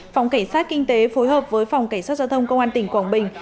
phòng cảnh sát kinh tế phối hợp với phòng cảnh sát giao thông công an tỉnh quảng bình